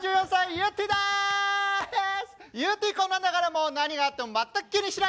ゆってぃこんなんだからもう何があっても全く気にしないの。